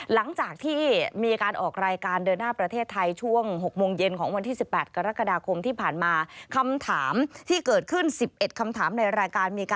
หลังจากที่มีการออกรายการเดินหน้าประเทศไทย